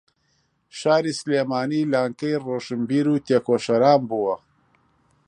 شاری سلێمانی لانکەی ڕۆشنبیر و تێکۆشەران بووە